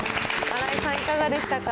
新井さん、いかがでしたか？